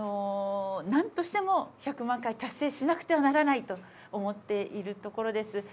なんとしても１００万回達成しなくてはならないと思っているところです。